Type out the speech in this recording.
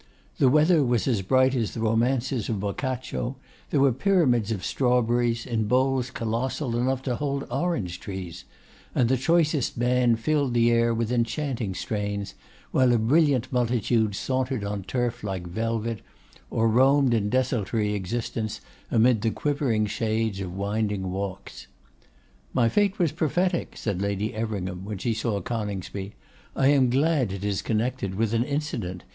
The weather was as bright as the romances of Boccaccio; there were pyramids of strawberries, in bowls colossal enough to hold orange trees; and the choicest band filled the air with enchanting strains, while a brilliant multitude sauntered on turf like velvet, or roamed in desultory existence amid the quivering shades of winding walks. 'My fête was prophetic,' said Lady Everingham, when she saw Coningsby. 'I am glad it is connected with an incident.